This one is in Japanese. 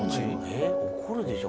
えっ怒るでしょ